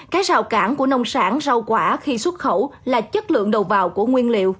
cái rào cản của nông sản rau quả khi xuất khẩu là chất lượng đầu vào của nguyên liệu